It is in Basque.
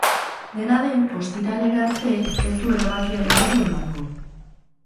Dena den, ostiralera arte ez du erabakiaren berri emango.